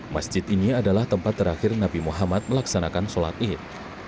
masjid ini adalah tempat terakhir nabi muhammad melaksanakan sholat id